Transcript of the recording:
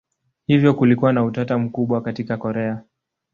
Hivyo kulikuwa na utata mkubwa katika Korea.